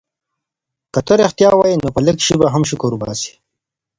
که ته ریښتیا وایې نو په لږ شي به هم شکر وباسې.